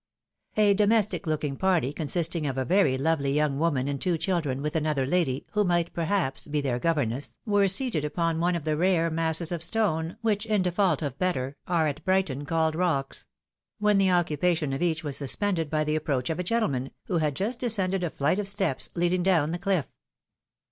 A DOMESTIC LOOKING party, consisting of a very lovely young woman and two children, with another lady, who might, perhaps, be t'heir governess, were seated upon one of the rare masses of stone, which, in default of better, are at Brighton called rocks ; when the occupation of each was suspended by the approach of a gentleman, who had just descended a flight of steps, leading down the cliff.